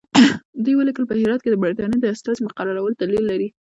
دوی ولیکل چې په هرات کې د برټانیې د استازي مقررول دلیل لري.